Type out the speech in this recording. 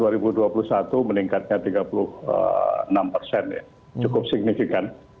tahun dua ribu dua puluh satu meningkatnya tiga puluh enam persen ya cukup signifikan